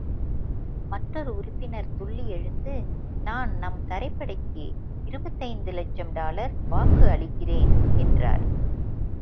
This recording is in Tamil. மற்றொரு உறுப்பினர் துள்ளி எழுந்து நான் நம் தரைப்படைக்கு இருபத்தைந்து லட்சம் டாலர் வாக்கு அளிக்கிறேன் என்றார்.